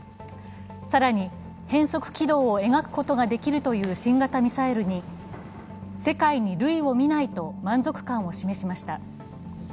更に変速軌道を描くことができるという新型ミサイルに世界に類を見ないと満足感を示しました。